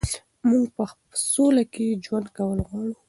موږ په سوله کې ژوند کول غواړو.